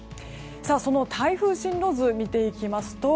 その台風進路図を見ていきますと